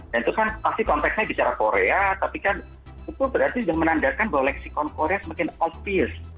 dan itu kan pasti konteksnya bicara korea tapi kan itu berarti sudah menandakan bahwa meksikon korea semakin obvious